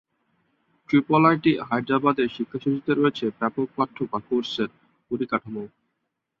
Triple IT হায়দ্রাবাদের শিক্ষা-সূচীতে রয়েছে ব্যপক পাঠ্য বা কোর্সের পরিকাঠামো।